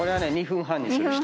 ２分半にする人。